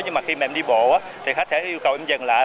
nhưng mà khi mình đi bộ thì khách sẽ yêu cầu em dần lại